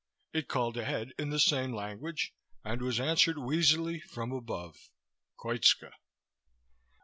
It called ahead in the same language and was answered wheezily from above: Koitska.